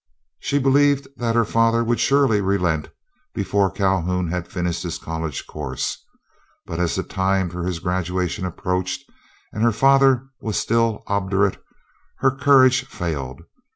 She believed that her father would surely relent before Calhoun had finished his college course; but as the time for his graduation approached, and her father was still obdurate, her courage failed.